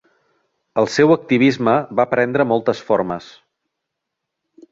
El seu activisme va prendre moltes formes.